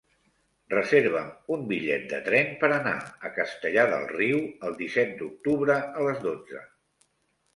Reserva'm un bitllet de tren per anar a Castellar del Riu el disset d'octubre a les dotze.